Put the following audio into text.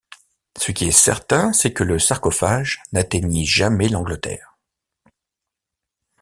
Ce qui est certain c'est que le sarcophage n'atteignit jamais l'Angleterre.